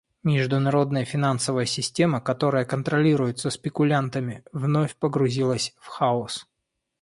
Международная финансовая система, которая контролируется спекулянтами, вновь погрузилась в хаос.